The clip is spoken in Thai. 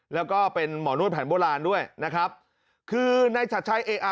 แล้วก็เป็นหมอนวดแผนโบราณด้วยนะครับคือในชัดชัยเออะ